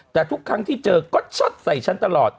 แต่ทุกครั้งที่เจอก็ช็อตใส่ฉันตลอด